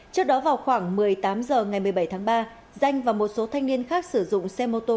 trước đó vào khoảng một mươi tám h ngày một mươi bảy tháng ba danh và một số thanh niên khác sử dụng xe mô tô